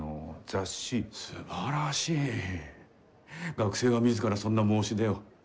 学生が自らそんな申し出を。